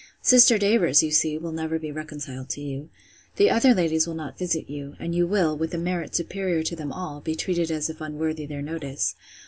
Sister Davers, you see, will never be reconciled to you. The other ladies will not visit you; and you will, with a merit superior to them all, be treated as if unworthy their notice.